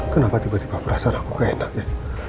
kenapa tiba tiba perasaan aku kayak enak ya